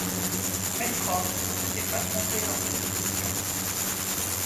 Pencroff ne s’était pas trompé dans ses prévisions.